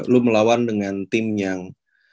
lu melawan dengan tim yang